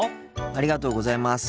ありがとうございます。